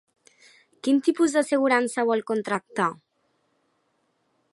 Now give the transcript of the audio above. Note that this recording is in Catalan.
Quin tipus d'assegurança vol contractar?